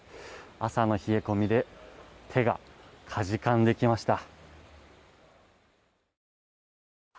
朝の冷え込みで手が、かじかんできました。